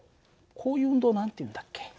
こういう運動を何て言うんだっけ？